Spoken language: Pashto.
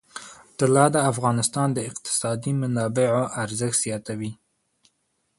طلا د افغانستان د اقتصادي منابعو ارزښت زیاتوي.